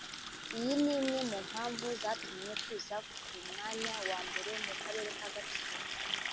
Iyi ni imwe mu mpamvu zatumye tuza k’umwanya wa mbere mu karere ka Gatsibo